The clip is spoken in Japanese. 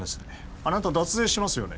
あなた脱税してますよね？